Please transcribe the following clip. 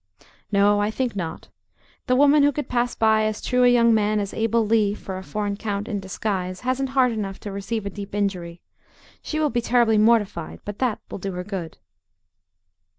"No, I think not. The woman who could pass by as true a young man as Abel Lee for a foreign count in disguise, hasn't heart enough to receive a deep injury. She will be terribly mortified, but that will do her good."